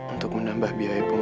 untuk menambah biaya penggunaan